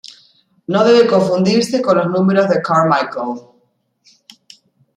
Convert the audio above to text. No debe confundirse con los números de Carmichael.